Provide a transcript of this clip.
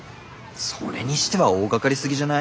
それにしては大がかりすぎじゃない？